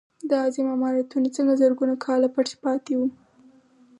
دا عظیم عمارتونه څنګه زرګونه کاله پټ پاتې وو.